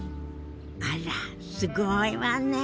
あらすごいわね。